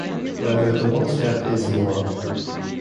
Whether the one-step is immoral?